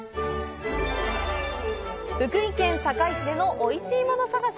福井県坂井市でのおいしいもの探し。